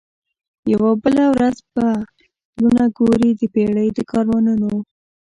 یوه ورځ به پلونه ګوري د پېړۍ د کاروانونو